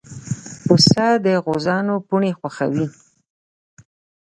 پسه د غوزانو پاڼې خوښوي.